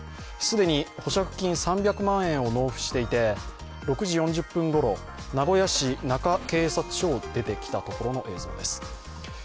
既に保釈金３００万円を納付していて６時４０分ごろ、名古屋市の中警察署を出てきたところの映像です。